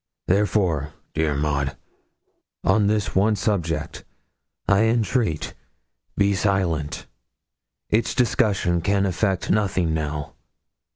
Therefore, dear Maud, on this one subject, I entreat, be silent; its discussion can effect nothing now.